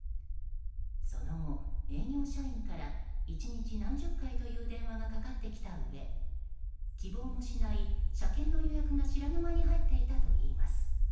その後、営業社員から１日何十回という電話がかかってきたうえ希望もしない車検の予約が知らぬ間に入っていたといいます。